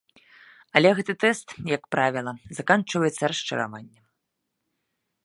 Але гэты тэст, як правіла, заканчваецца расчараваннем.